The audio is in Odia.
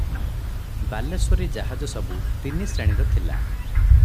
ବାଲେଶ୍ୱରୀ ଜାହାଜ ସବୁ ତିନି ଶ୍ରେଣୀର ଥିଲା ।